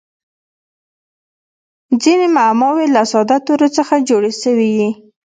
ځیني معماوي له ساده تورو څخه جوړي سوي يي.